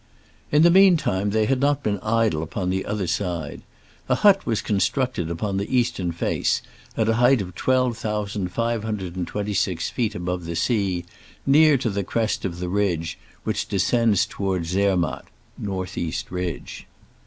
In the mean time they had not been idle upon the other side. A hut was constructed upon the eastern face at a height of 12,526 feet above the sea, near to the crest of the ridge which descends toward Zerniatt (north east ridge).